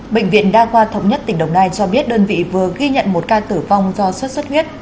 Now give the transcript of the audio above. bệnh viện đa khoa thống nhất tỉnh đồng nai cho biết đơn vị vừa ghi nhận một ca tử vong do xuất xuất huyết